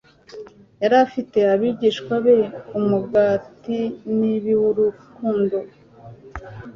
yari afitiye abigishwa be umugatnbi w'urukundo.